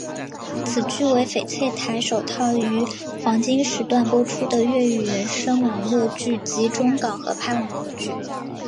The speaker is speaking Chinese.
此剧为翡翠台首套于黄金时段播出的粤语原声网络剧及中港合拍网络剧。